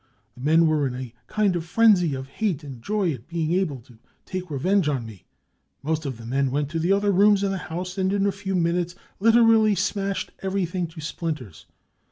The men were in a kind of frenzy of hate and joy at being able to take revenge on me. Most of the men went to the other rooms in the house and in a few minutes literally smashed everything to splinters.